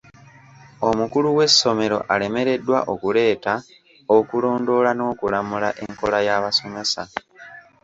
Omukulu w'essomero alemereddwa okuleeta, okulondoola n'okulamula enkola y'abasomesa.